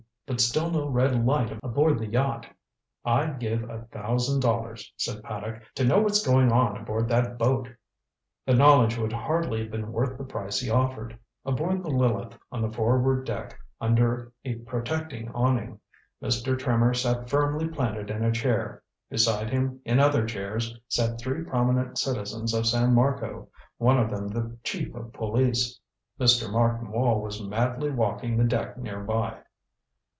But still no red light aboard the yacht. "I'd give a thousand dollars," said Paddock, "to know what's going on aboard that boat." The knowledge would hardly have been worth the price he offered. Aboard the Lileth, on the forward deck under a protecting awning, Mr. Trimmer sat firmly planted in a chair. Beside him, in other chairs, sat three prominent citizens of San Marco one of them the chief of police. Mr. Martin Wall was madly walking the deck near by.